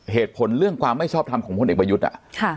เหตุผลเรื่องความไม่ชอบทำของพวกเด็กประยุทธ์